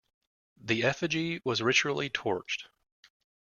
The effigy was ritually torched.